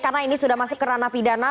karena ini sudah masuk ke ranah pidana